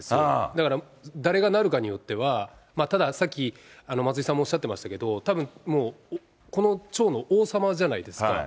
だから誰がなるかによっては、ただ、さっき、松井さんもおっしゃってましたけど、たぶん、もうこの町の王様じゃないですか。